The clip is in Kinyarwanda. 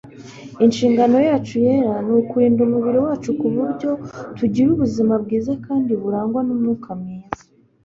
inshingano yacu yera ni ukurinda umubiri wacu ku buryo tugira ubuzima bwiza kandi burangwa n'umwuka mwiza